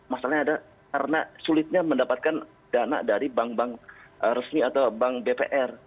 masalahnya ada karena sulitnya mendapatkan dana dari bank bank resmi atau bank bpr